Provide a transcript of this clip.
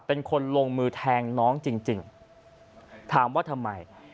เป็นคนลงมือแทงน้องจริงถามว่าทำไม